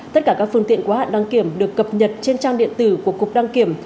tất cả các phương tiện quá hạn đăng kiểm được cập nhật trên trang điện tử của cục đăng kiểm